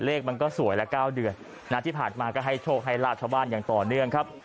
เลขมันก็สวยแล้ว๙เดือนที่ผ่านมาก็ให้โชคให้ลาบชาวบ้านอย่างต่อเนื่องครับ